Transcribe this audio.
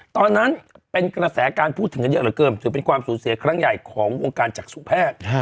ตอนนั้นเป็นกระแสการพูดถึงกันเยอะเหลือเกินถือเป็นความสูญเสียครั้งใหญ่ของวงการจักษุแพทย์